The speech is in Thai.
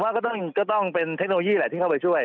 ว่าก็ต้องก็ต้องแทคโนโลยีแหละที่เข้าไปช่วย